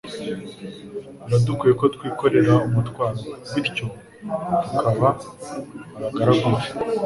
Biradukwiriye ko twikorera umutwaro we, bityo tukaba abagaragu be.